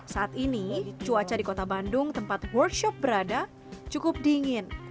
saat ini cuaca di kota bandung tempat workshop berada cukup dingin